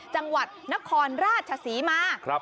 จังหวัดนครราชศรีมา